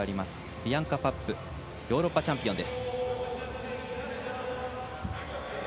ビアンカ・パップヨーロッパチャンピオンです。